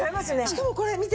しかもこれ見て。